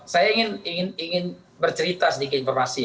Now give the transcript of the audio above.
saya ingin bercerita sedikit informasi